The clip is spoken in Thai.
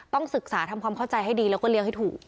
ศึกษาทำความเข้าใจให้ดีแล้วก็เลี้ยงให้ถูก